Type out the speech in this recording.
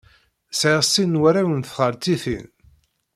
Sɛiɣ sin n warraw n txaltitin.